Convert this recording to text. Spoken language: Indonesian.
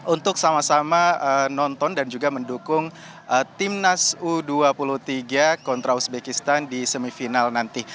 untuk sama sama nonton dan juga mendukung timnas u dua puluh tiga kontra uzbekistan di semifinal nanti